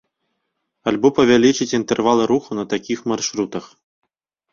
Альбо павялічыць інтэрвал руху на такіх маршрутах.